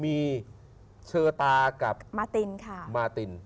มีเชอตากับมาตินค่ะ